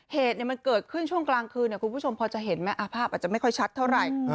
เหตุมันเกิดขึ้นช่วงกลางคืนคุณผู้ชมพอจะเห็นไหมภาพอาจจะไม่ค่อยชัดเท่าไหร่